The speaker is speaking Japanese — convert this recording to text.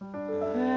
へえ。